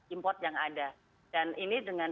import yang ada dan ini dengan